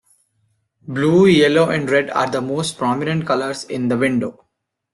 Blue, yellow and red are the most prominent colours in the window.